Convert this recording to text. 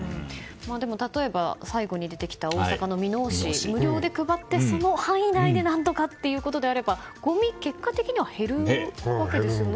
でも、例えば最後に出てきた大阪の箕面市は無料で配ってその範囲内で何とかということであればごみ、結果的には減るわけですよね。